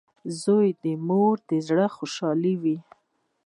• زوی د مور د زړۀ خوشحالي وي.